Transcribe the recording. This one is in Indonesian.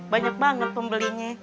banyak banget pembelinya